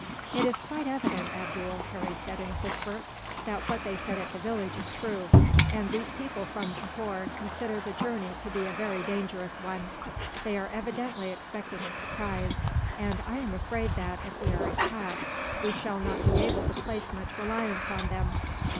"It is quite evident, Abdool," Harry said, in a whisper, "that what they said at the village is true, and these people from Johore consider the journey to be a very dangerous one. They are evidently expecting a surprise; and I am afraid that, if we are attacked, we shall not be able to place much reliance on them."